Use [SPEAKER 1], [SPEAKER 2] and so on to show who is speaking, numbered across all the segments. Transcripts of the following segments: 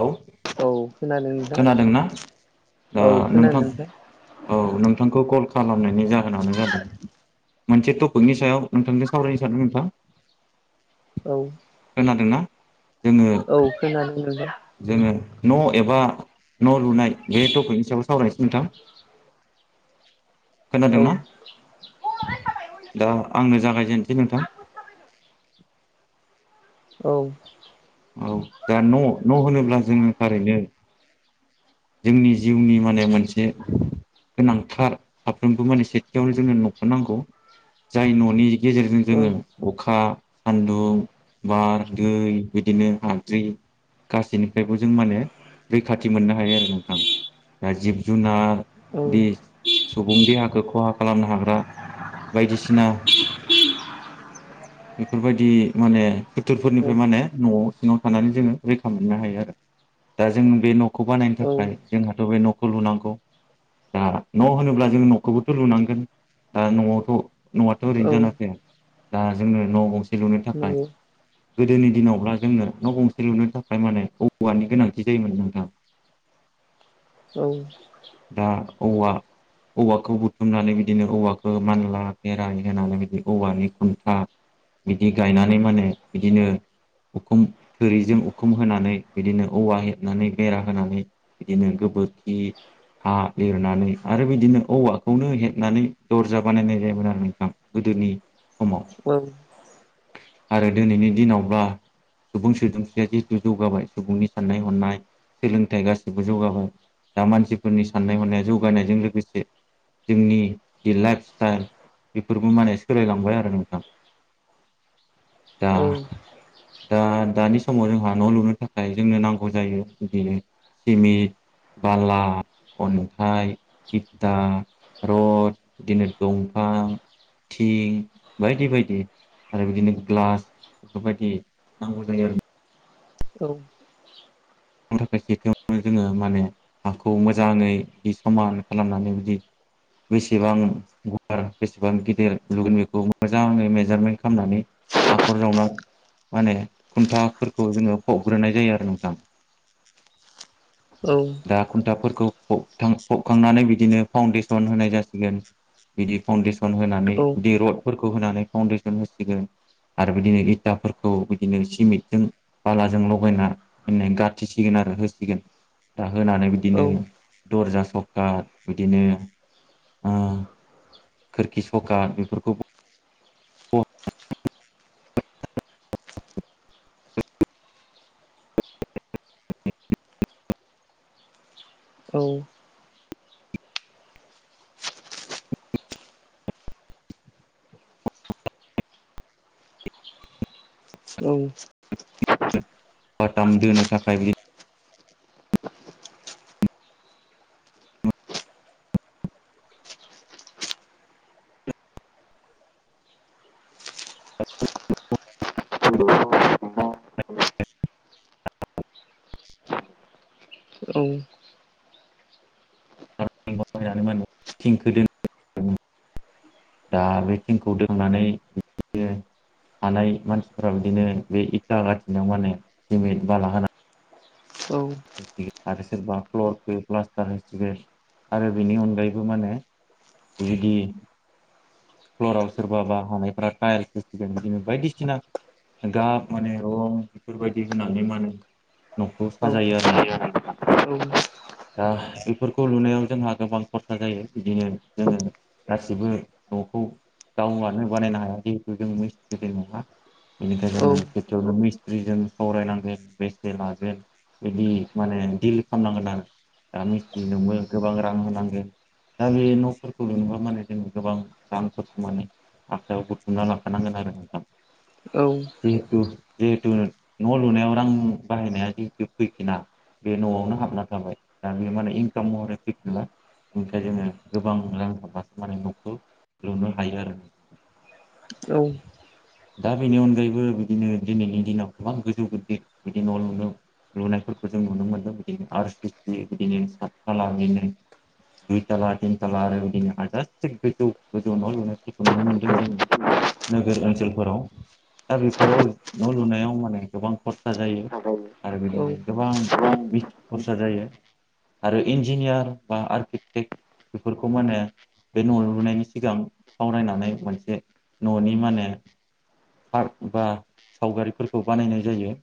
[SPEAKER 1] औ।
[SPEAKER 2] औ खोनादों दे।
[SPEAKER 1] खोनादोंना ओ नोंथां? औ नोंथांखौ कल खालामनायनि जाहोनानो जादों मोनसे टपिकनि सायाव नोंथांजों सावरायनो सानदों नोंथां।
[SPEAKER 2] औ
[SPEAKER 1] खोनादोंना जोङो
[SPEAKER 2] औ खोनानो मोनदों।
[SPEAKER 1] जोङो न' एबा न' लुनाय बे टपिकनि सायाव सावरायनोसै नोंथां।
[SPEAKER 2] औ
[SPEAKER 1] खोनादोंना दा आंनो जागायजेनसै नोंथां।
[SPEAKER 2] औ।
[SPEAKER 1] औ दा न' न' होनोब्ला जोङो थारैनो जोंनि जिउनि माने मोनसे गोनांथार साफ्रोमबो माने सेथियावनो जोंनो न'खौ नांगौ। जाय न'नि गेजेरजों
[SPEAKER 2] औ
[SPEAKER 1] जोङो अखा सान्दुं बार दै बिदिनो हाद्रि गासैनिफ्रायबो जों माने रैखाथि मोननो हायो आरो। नोंथां दा जिब जुनार बे सुबुं देहाखो खहा खालामनो हाग्रा बायदिसिना बेफोरबायदि माने फोथोरफोरनिफ्राय माने न'आव सिङाव थानानै जोङो रैखा मोननो हायो आरो। दा जों बे न'खौ बानायनो
[SPEAKER 2] औ
[SPEAKER 1] थाखाय जोंहाथ' बे न'खौ लुनांगौ। दा न' होनोब्ला जों न'खौबोथ' लुनांगोन। दा न'आवथ' न'आथ'
[SPEAKER 2] औ
[SPEAKER 1] ओरैनोजानाफैया। जोंनो न' गंसे लुनो थाखाय
[SPEAKER 2] नंगौ
[SPEAKER 1] गोदोनि दिनावब्ला जोंनो न' गंसे लुनो थाखाय माने औवानि गोनांथि जायोमोन नोंथां।
[SPEAKER 2] औ।
[SPEAKER 1] दा औवा औवाखौ बुथुमनानै बिदिनो औवाखौ मानला बेेराइ होनानै बिदि औवानि खुन्था बिदि गायनानै माने बिदिनो उखुम थोरिजों उखुम होनानै बिदिनो औवा हेबनानै बेरा होनानै बिदिनो गोबोरखि हा लिरनानै आरो बिदिनो औवाखौनो हेबनानै दर्जा बानायनाय जायोमोन आरो नोंथां। गोदोनि समाव
[SPEAKER 2] औ।
[SPEAKER 1] आरो दिनैनि दिनावब्ला सुबुं सोदोमस्रिया जिहेथु जौगाबाय सुबुंनि साननाय हनाय सोलोंथाइ गासिबो जौगाबाय। दा मानसिफोरनि साननाय हनाया जौगानायजों लोगोसे जोंनि जि लाइफ स्टाइल बेफोरबो माने सोलायलांबाय आरो नोंथां। दा
[SPEAKER 2] औ
[SPEAKER 1] दा दानि समाव जोंहा न' लुनो थाखाय जोंनो नांगौ जायो बिदिनो सिमिन्ट बाला, अन्थाइ, इटा रड बिदिनो दंफां, थिं बायदि बाय आरो बिदिनो ग्लास बेफोरबायदि नांगौ जायो आरो
[SPEAKER 2] औ।
[SPEAKER 1] थाखाय सेथियावनो जोङो माने हाखौ मोजाङै बि समान खालामनानै बिदि बेसेबां गुवार बेसेबां गिदिर लुगोन बेखौ मोजाङै मेजारमेन्ट खालामनानै हाखर जावनाय माने खुन्थाफोरखौ जोङो फबग्रोनाय जायो आरो नोंथां।
[SPEAKER 2] औ औ
[SPEAKER 1] दा खुन्थाफोरखौ फबखां फबखांनानै बिदिनो फाउन्डेसन होनाय जासिगोन। बिदि फाउन्डेसन
[SPEAKER 2] औ
[SPEAKER 1] होनानै दिरडफोरखौ होनानै फाउन्डेसन होसिगोन। आरो बिदिनो इथाफोरखौ बिदिनो सिमेन्टजों बालाजों लगायना होननाय गा [unintelligible] आरो होसिगोन। दा होनानै बिदिनो
[SPEAKER 2] औ औ
[SPEAKER 1] दर्जा सकात बिदिनो ओ खोरखि सकात बेफोरखौ
[SPEAKER 2] औ औ
[SPEAKER 1] बाताम दोनो थाखाय बिदि
[SPEAKER 2] औ
[SPEAKER 1] [unintelligible] माने थिंखौ [inaudible] दा बे थिंखौ दोननानै [inaudible] हानाय मानसिफ्रा बिदिनो बे इथा गाथिनाव माने सिमेन्ट बाला होना होसिगोन आरो सोरबा फ्लरखौ प्लास्टार होसिगोन आरो बेनि अनगायैबो मा होनो [unintelligible] फ्लराव सोरबाबा हानायफ्रा टाइल्स होसिगोन बिदिनो बायदिसिना गाब माने रं बेफोरबायदि होनानै माने न'खौ साजायो आरो नोंथां।
[SPEAKER 2] औ
[SPEAKER 1] दा बेफोरखौ लुनायाव जोंहा गोबां खरसा जायो बिदिनो जोङो गासिबो न'खौ गाव गावनो बानायनो हाया जिहेथु जों [unintelligible] नङा बेनिखाय जोङो बेयावनो मिस्ट्रिजों सावरायनांगोन बेसे लागोन बिदि माने दिल खालामनांगोन आरो दा मिस्ट्रिनोबो गोबां रां होनांगोन। दा बे न'फोरखौ लुनोबा माने जों गोबां रांफोरखौ माने आखायआव बुथुमना लाखानांगोन आरो नोंथां।
[SPEAKER 2] औ
[SPEAKER 1] जिहेथु जिहेथु न' लुनायाव रां बाहायनाया जिहेतु फैफिना बे न'आवनो हाबना थाबाय दा बे माने इनकाम महरै फैफिनला। ओंखाय जोङो गोबां रां हाबासो माने न'खौ लुनो हायो आरो।
[SPEAKER 2] औ
[SPEAKER 1] दा बेनि अनगायैबो बिदिनो दिनैनि दिनाव गोबां गोजौ गिदिर बिदि न' लुनो लुनायफोरखौ जों नुनो मोन्दों बिदिनो आर सि सि बिदिनो सातथाला बिदिनो दुइथाला तिनथाला आरो बिदिनो हाजारसे गोजौ गोजौ न लुनायफोरखौ नुनो मोनदों जों नोगोर ओनसोलफोराव दा बेफोराव न' लुनायाव माने गोबां खरसा जायो। आरो बिदिनो गोबां बि खरसा जायो। आरो इन्जिनियार बा आर्किटेक्ट बेफोरखौ माने बे न' लुनायनि सिगां सावरायनानै मोनसे न'नि माने पार्क बा सावगारिफोरखौ बानायनाय जायो।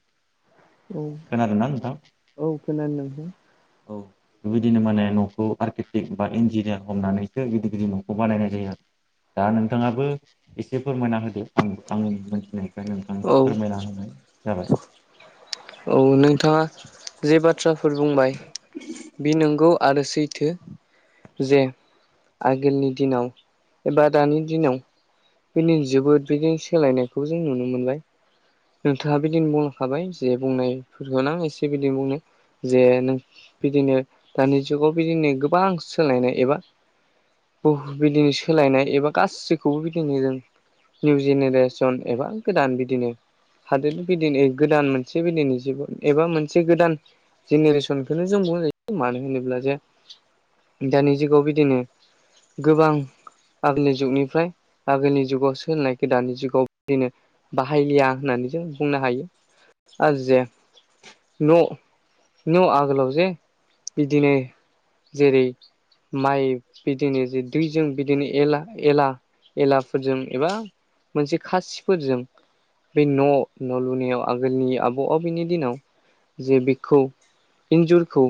[SPEAKER 2] औ
[SPEAKER 1] खोनादों ना नोंथां?
[SPEAKER 2] औ खोनादोंं [unintelligible]
[SPEAKER 1] औ बेबायदिनो माने न'खौ आर्किटेक्ट बा इन्जिनियार हमनानैसो गिदिर गिदिर न'खौ बानायनाय जायो आरो दा नोंथाङाबो एसे फोरमायना होदो आं आंनि मोनथिनाय बेखायनो नोंथां
[SPEAKER 2] औ
[SPEAKER 1] फोरमायना होनाय जाबाय।
[SPEAKER 2] औ नोंथाङा जे बाथ्राफोर बुंबाय बे नोंगौ आरो सैथो। जे आगोलनि दिनाव एबा दानि दिनाव बिदि जोबोद बिदि सोलायनायखौ जों नुनो मोनबाय। नोंथाङा बिदिनो बुंखाबाय जे बुंनायफोरखौनो आ एसे बिदिनो बुंनो जे नों बिदिनो दानि जुगाव बिदिनो गोबां सोलायनाय एबा बह बिदिनो सोलायनाय एबा गासैखौबो बिदिनो जों निउ जेनेरेसन एबा गोदान बिदिनो हादोरनि बिदिनो गोदान मोनसे बिदनि जिबन एबा मोनसे गोदान जेनेरेसनखौनो जों बुंजायो मानो होनोब्ला जे दानि जुगाव बिदिनो गोबां आगोलनि जुगनिफ्राय आगोलनि जुगाव सोलोंनायखौ दानि जुगाव बिदिनो बाहायलिया आं होननानै जों बुंनो हायो आरो जे न' न' आगोलाव जे बिदिनो जेरै माइ बिदिनो जे दैजों बिदिनो एला एला एलाफोरजों एबा मोनसे खासिफोरजों बे न' न' लुनायाव आगोलनि आबौ आबैनि दिनाव जे बेखौ इन्जुरखौ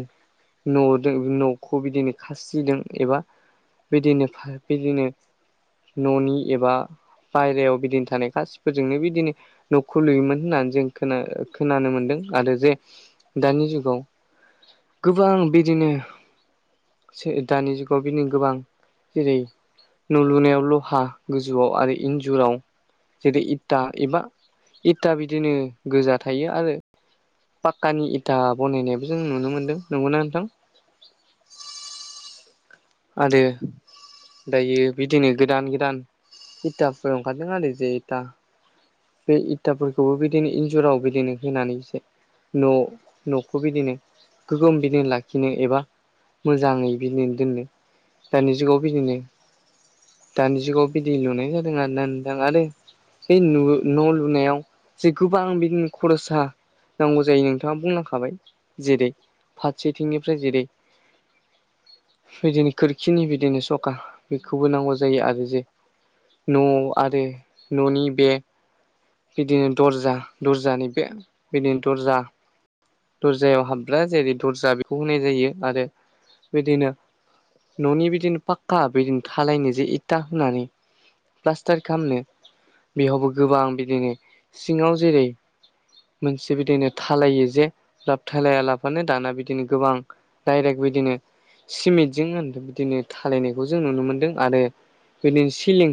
[SPEAKER 2] नदो न'खौ बिदिनो खासिदों एबा बिदिनो बिदिनो न'नि एबा बायहेरायाव बिदिनो थानाय खासिफोरजोंनो बिदिनो न'खौ लुयोमोन होननानै जों खोना-खोनानो मोनदों आरो जे दानि जुगाव गोबां बिदिनो दानि जुगाव बिनो गोबां जेरै न' लुनायाव लहा गोजौआव आरो इन्जुराव जेरै इथा एबा इदथा बिदिनो गोजा थायो आरो पाक्कानि इथा बनायनायबो जों नुनो मोन्दों नंगौना नोंथां। आरो दायो बिदिनो गोदान गोदान इथाफोर ओंखारदों आरो जे इथा बे इथाफोरखौबो बिदिनो इन्जुराव बिदिनो होनानैसो न' न'खौ बिदिनो गोग्गोम बिदिनो लाखिनो एबा मोजाङै बिदिनो दोननो दानि जुगाव बिदिनो दानि जुगाव बिदि लुनाय जादों आर नादां आरो बे न' लुनायाव जे गोबां बिदिनो खरसा नांगौ जायो नोंथाङा बुंलांखाबाय जेरै फारसेथिंनिफ्राय जेरै बिदिनो खोरखिनि बिदिनो सखा बेखौबो नांगौ जायो आरो जे न' आरो न'नि बे बिदिनो दर्जा दर्जानि बे बिदिनो दर्जा दरजायाव हाबग्रा जेरै दरजा बेखौ होनाय जायो आरो बिदिनो न'नि बिदिनो पाक्का बिदिनो थालायनो जे इथा होनानै प्लास्टार खालामनो बेयावबो गोबां बिदिनो सिङाव जेरै मोनसे बिदिनो थालायो जे साबथायलाया लाफानो दाना बिदिनो गोबां डायरेक्ट बिदिनो सिमेन्टजों बिदिनो थालायनायखौ जों नुनो मोनदों आरो बिदिनो सिलिं